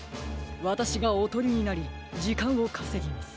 わたしがおとりになりじかんをかせぎます。